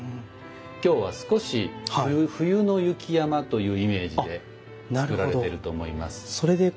今日は少し冬の雪山というイメージで作られていると思います。